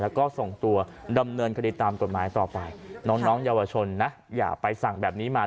แล้วก็ส่งตัวดำเนินคดีตามกฎหมายต่อไปน้องเยาวชนนะอย่าไปสั่งแบบนี้มา